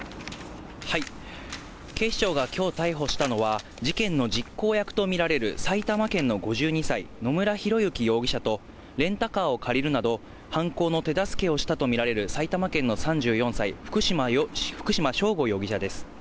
警視庁がきょう逮捕したのは、事件の実行役と見られる埼玉県の５２歳、野村広之容疑者と、レンタカーを借りるなど、犯行の手助けをしたと見られる埼玉県の３４歳、福島聖悟容疑者です。